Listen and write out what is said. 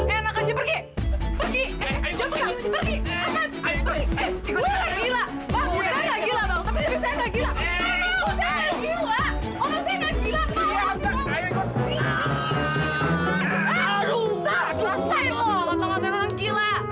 eh anak haji pergi pergi